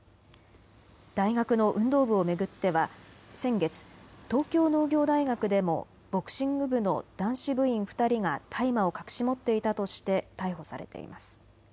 大学の運動部を巡っては先月、東京農業大学でもボクシング部の男子部員２人が大麻を隠し持っていたとして逮捕されています。